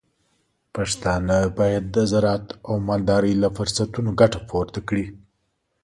پښتانه بايد د زراعت او مالدارۍ له فرصتونو ګټه پورته کړي.